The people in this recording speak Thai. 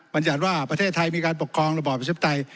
บัญญาณว่าประเทศไทยมีการประกองระบอบประชาปิตะย